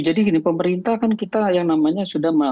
jadi pemerintah kan kita yang namanya sudah membuat stok